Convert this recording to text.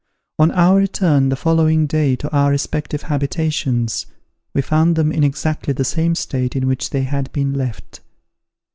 On our return the following day to our respective habitations, we found them in exactly the same state in which they had been left.